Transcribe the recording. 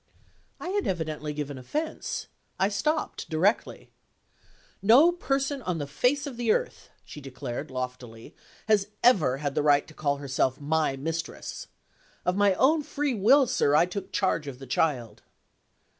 I had evidently given offense; I stopped directly. "No person on the face of the earth," she declared, loftily, "has ever had the right to call herself my mistress. Of my own free will, sir, I took charge of the child."